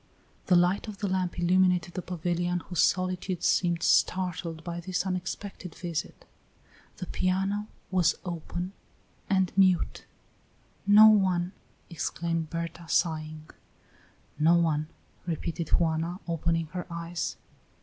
The light of the lamp illumined the pavilion, whose solitude seemed startled by this unexpected visit; the piano was open and mute. "No one!" exclaimed Berta, sighing. "No one," repeated Juana, opening her eyes.